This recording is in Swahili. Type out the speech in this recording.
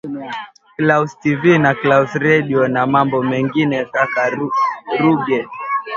claus tv na claus redio na mambo mengine kaka ruge